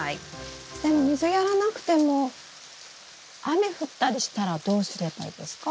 でも水やらなくても雨降ったりしたらどうすればいいですか？